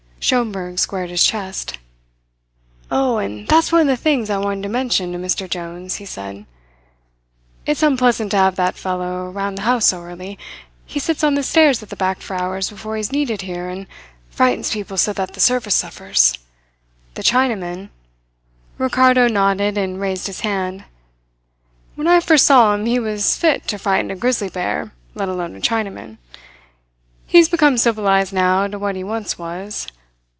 Schomberg squared his chest. "Oh, and that's one of the things I wanted to mention to Mr. Jones," he said. "It's unpleasant to have that fellow round the house so early. He sits on the stairs at the back for hours before he is needed here, and frightens people so that the service suffers. The Chinamen " Ricardo nodded and raised his hand. "When I first saw him he was fit to frighten a grizzly bear, let alone a Chinaman. He's become civilized now to what he once was.